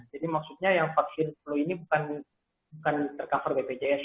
maksudnya yang vaksin flu ini bukan tercover bpjs